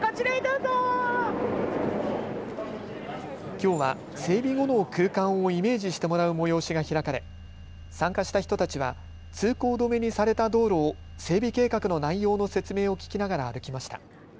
きょうは整備後の空間をイメージしてもらう催しが開かれ参加した人たちは通行止めにされた道路を整備計画の内容の説明を聞きながら歩きました。